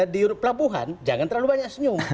di pelabuhan jangan terlalu banyak senyum